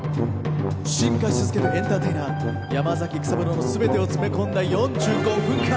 進化し続けるエンターテイナー山崎育三郎のすべてを詰め込んだ４５分間。